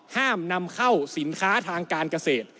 ห้ามนำเข้าสินค้าทางการเกษตร